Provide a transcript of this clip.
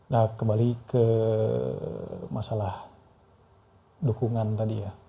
nah kembali ke masalah dukungan tadi ya